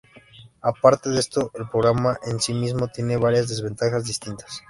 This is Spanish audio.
Aparte de esto, el programa en sí mismo, tiene varias desventajas distintas.